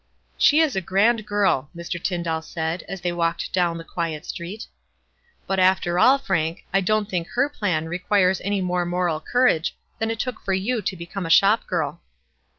"She is a grand girl," Mr. Tyndall said, as they walked down the quiet street. " But, after all, Frank, I don't think her plan requires any more moral courage than it took for you to become a shop girl."